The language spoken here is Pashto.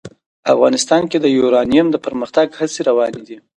افغانستان کې د یورانیم د پرمختګ هڅې روانې دي.